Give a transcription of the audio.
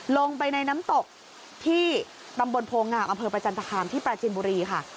ลงไปในน้ำตกที่ตำบลโพงามอำเภอประจันตคามที่ปราจินบุรีค่ะ